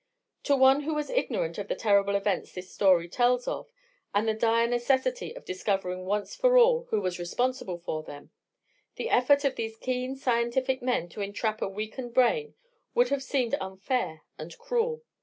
To one who was ignorant of the terrible events this story tells of, and the dire necessity of discovering once for all who was responsible for them, the efforts of these keen, scientific men to entrap a weakened brain would have seemed unfair and cruel.